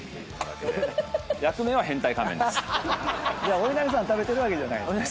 じゃあおいなりさん食べてるわけじゃないですね。